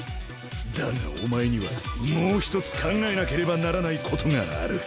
だがお前にはもう一つ考えなければならないことがある。